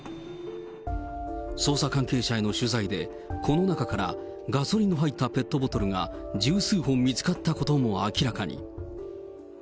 捜査関係者への取材で、この中から、ガソリンの入ったペットボトルが十数本見つかったことも明らかに。